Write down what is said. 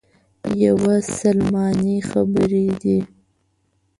یوه سلماني خبرې دي.